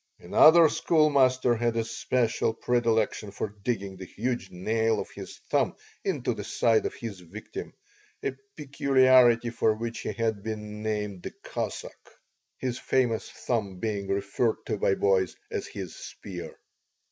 Another schoolmaster had a special predilection for digging the huge nail of his thumb into the side of his victim, a peculiarity for which he had been named "the Cossack," his famous thumb being referred to by the boys as his spear.